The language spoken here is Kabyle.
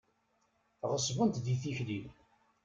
Ɣeṣbent di tikli.